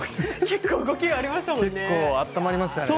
結構動きがありましたね。